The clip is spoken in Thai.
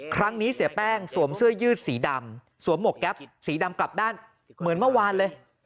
ครั้งนี้เสียแป้งสวมเสื้อยืดสีดำสวมหมวกแก๊ปสีดำกลับด้านเหมือนเมื่อวานเลย